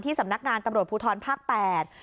ที่สำนักงานตำรวจภูทรภาค๘